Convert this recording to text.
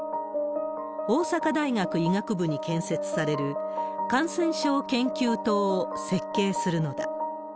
大阪大学医学部に建設される感染症研究棟を設計するのだ。